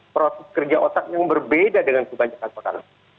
proses kerja otak yang berbeda dengan kebanyakan makanan